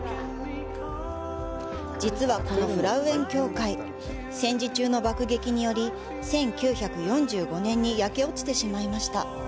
実はこのフラウエン教会、戦時中の爆撃により１９４５年に焼け落ちてしまいました。